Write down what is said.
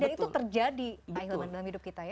dan itu terjadi ahilman dalam hidup kita ya